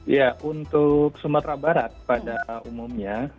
ya untuk sumatera barat pada umumnya